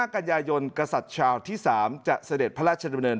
กันยายนกษัตริย์ชาวที่๓จะเสด็จพระราชดำเนิน